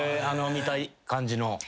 あの見た感じの。